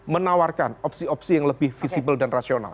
menawarkan opsi opsi yang lebih visible dan rasional